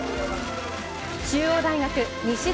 中央大学、西舘